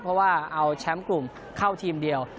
เพราะว่าเอาแชมป์กลุ่มเข้าทีมเดียว